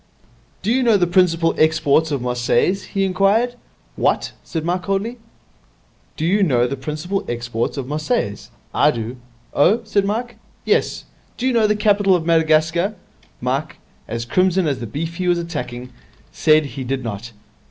'Do you know the principal exports of Marseilles?' he inquired. 'What?' said Mike coldly. 'Do you know the principal exports of Marseilles? I do.' 'Oh?' said Mike. 'Yes. Do you know the capital of Madagascar?' Mike, as crimson as the beef he was attacking, said he did not.